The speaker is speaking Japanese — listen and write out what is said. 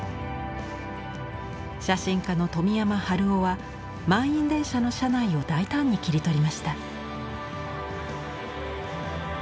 写真家の富山治夫は満員電車の車内を大胆に切り取りました。